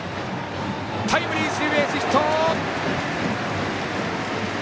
タイムリースリーベースヒット！